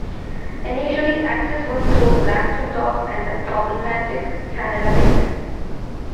Initially, access was through Langton Dock and the problematic Canada Basin.